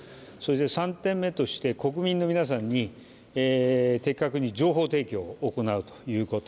３点目として国民の皆さんに的確に情報提供を行うということ。